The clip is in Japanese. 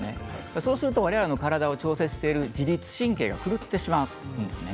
そうすると体を調節している自律神経が狂ってしまうんです。